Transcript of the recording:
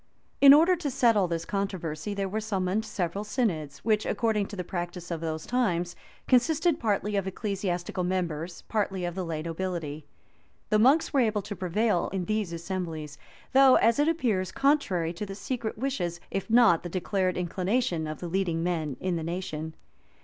In order to settle this controversy, there were summoned several synods, which, according to the practice of those times, consisted partly of ecclesiastical members, partly of the lay nobility. The monks were able to prevail in these assemblies; though, as it appears, contrary to the secret wishes, if not the declared inclination, of the leading men in he nation.